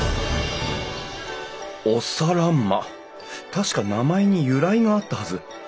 確か名前に由来があったはず。